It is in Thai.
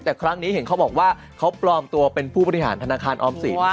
แต่ครั้งนี้เห็นเขาบอกว่าเขาปลอมตัวเป็นผู้บริหารธนาคารออมสิน